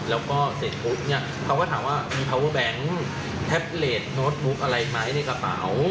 แล้วก็เสร็จปุ๊บเนี่ยเขาก็ถามว่ามีพาเวอร์แบงค์แท็บเลสโน้ตบุ๊กอะไรไหมในกระเป๋า